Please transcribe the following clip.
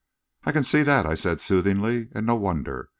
"I can see that," I said, soothingly; "and no wonder.